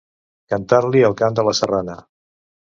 Cantar-li el cant de la Serrana.